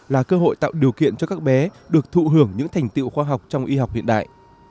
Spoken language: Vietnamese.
là cơ hội tạo điều kiện cho các bé được thụ hưởng những thành tiệu khoa học trong y học hiện đại